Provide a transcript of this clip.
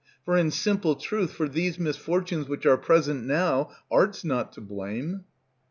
for in simple truth, for these misfortunes Which are present now Art's not to blame.